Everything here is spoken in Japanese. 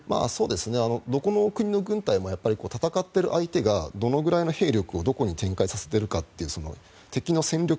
どこの国の軍隊も戦っている相手がどのくらいの兵力をどこに展開させているかという敵の戦力